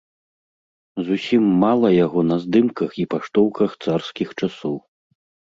Зусім мала яго на здымках і паштоўках царскіх часоў.